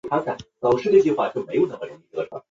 县治所在地为阿伯塔巴德。